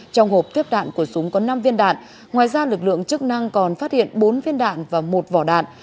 trong hộp tiếp đạn của súng có năm viên đạn ngoài ra lực lượng chức năng còn phát hiện bốn viên đạn và một vỏ đạn